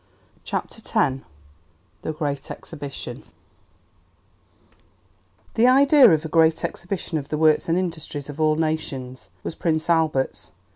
CHAPTER X: The Great Exhibition The idea of a "great exhibition of the Works and Industries of all Nations" was Prince Albert's.